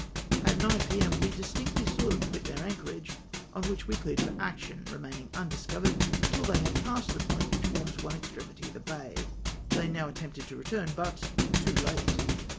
At 9 p.m. we distinctly saAv them quit theu" anchorage, on which we cleared for action, remaining undiscovered till they had passed the point which forms one extremity of the bay. They now attempted to retm n, but too late.